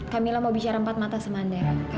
camilla mau bicara empat mata sama andara